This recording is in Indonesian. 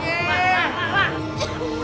gue mati gimana tuh